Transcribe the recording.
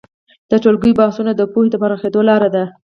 د ټولګیو بحثونه د پوهې د پراخېدو لاره ده.